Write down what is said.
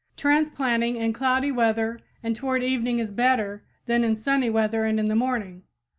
Transplanting in cloudy weather and toward evening is better than in sunny weather and in the morning.